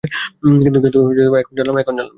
কিন্তু, এখন জানলাম।